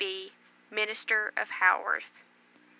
B., MINISTER OF HAWORTH.